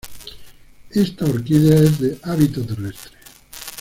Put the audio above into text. Esta Orquídea es de hábito terrestre.